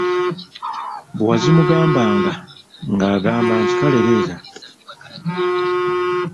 Bwe wazimugambanga ng'akugamba nti: "Kale leeta.